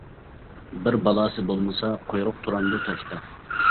بىر بالاسى بولمىسا، قۇيرۇق تۇرامدۇ تاشتا.